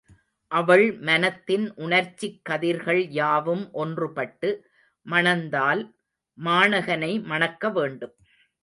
அவள் மனத்தின் உணர்ச்சிக் கதிர்கள் யாவும் ஒன்றுபட்டு, மணந்தால், மாணகனை மணக்க வேண்டும்.